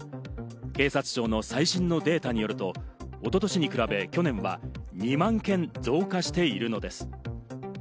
警察庁の最新のデータによると、おととしに比べ、去年は２万件増加しているのです。